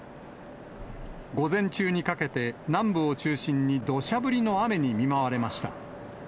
午前中にかけて、南部を中心にどしゃ降りの雨に見舞われました。